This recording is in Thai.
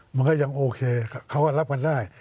มันก็ยังโอเคเขาก็รับกันได้